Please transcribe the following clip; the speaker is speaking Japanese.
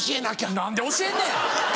何で教えんねん！